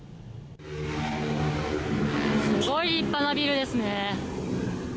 すごい立派なビルですね。